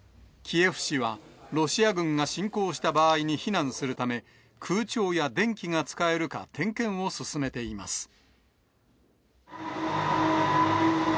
キエフ市は、ロシア軍が侵攻した場合に避難するため、空調や電気が使えるか点検を進めています。